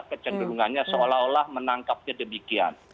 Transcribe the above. kecenderungannya seolah olah menangkapnya demikian